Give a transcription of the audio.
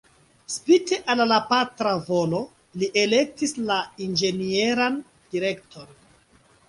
Spite al la patra volo, li elektis la inĝenieran direkton.